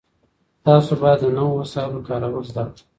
تاسو بايد د نويو وسايلو کارول زده کړئ.